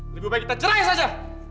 lebih baik kita cerai saja